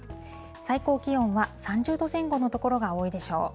最高気温は３０度前後の所が多いでしょう。